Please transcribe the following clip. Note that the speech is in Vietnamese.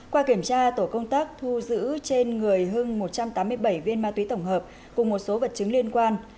qua kiểm tra tổ công tác thu giữ trên người hưng một trăm tám mươi bảy viên ma túy tổng hợp cùng một số vật chứng liên quan